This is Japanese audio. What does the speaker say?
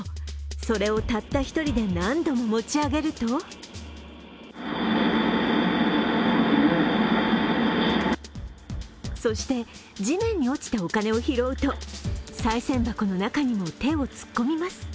それをたった一人で何度も持ち上げるとそして地面に落ちたお金を拾うとさい銭箱の中にも手を突っ込みます。